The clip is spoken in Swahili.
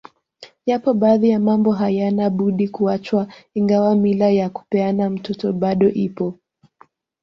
Yapo baadhi ya mambo hayana budi kuachwa ingawa mila ya kupeana mtoto bado ipo